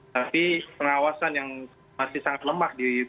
tapi pengawasan yang masih sangat lemah